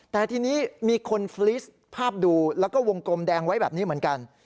แต่ทีนี้มีคนฟรีสภาพดูแล้วก็วงกลมแดงไว้แบบนี้เหมือนกัน